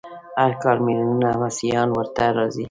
هر کال ملیونونه مسیحیان ورته راځي.